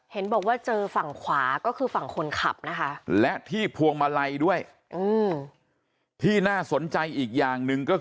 เห็นบอกว่าเจอฝั่งขวาก็คือฝั่งคนขับนะฮะ